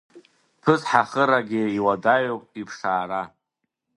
Ԥысҳахырагьы иуадаҩуп иԥшаара…